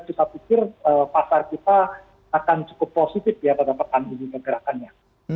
kita pikir pasar kita akan cukup positif ya pada pekan ini pergerakannya